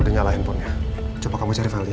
udah nyalahin pony coba kamu cari file dia